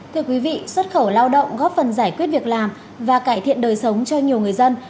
thưa quý vị xuất khẩu lao động góp phần giải quyết việc làm và cải thiện đời sống cho nhiều người dân